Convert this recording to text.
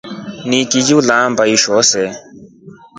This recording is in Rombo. Nchiki uleamba isho see.